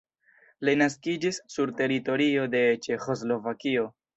Li naskiĝis sur teritorio de Ĉeĥoslovakio.